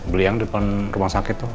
beli yang depan rumah sakit tuh